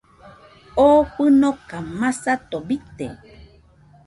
Oo fɨnoka masato bite.